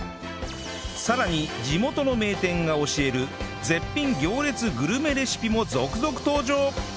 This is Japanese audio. さらに地元の名店が教える絶品行列グルメレシピも続々登場！